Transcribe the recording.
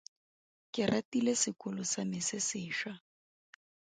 Ke ratile sekolo sa me se sešwa.